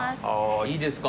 いいですか？